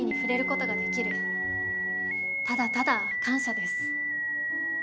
ただただ感謝です。